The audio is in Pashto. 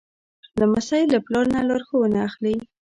لمسی له پلار نه لارښوونه اخلي.